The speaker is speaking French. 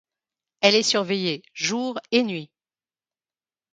Elle est surveillée jour et nuit.